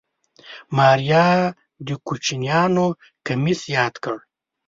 ماريا د کوچيانو کميس ياد کړ.